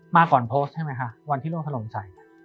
มาก่อนโพสต์ใช่ไหมคะวันที่โลกถลมใจ